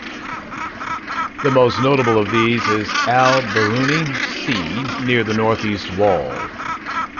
The most notable of these is Al-Biruni C near the northeast wall.